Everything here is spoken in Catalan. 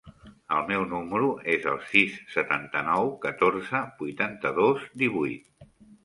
El meu número es el sis, setanta-nou, catorze, vuitanta-dos, divuit.